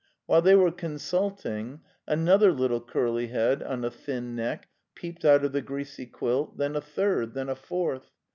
While they were consulting, another little curly head on a thin neck peeped out of the greasy quilt, then a third, then a fourth.